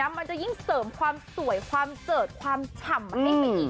มันจะยิ่งเสริมความสวยความเจิดความฉ่ำให้ไปอีก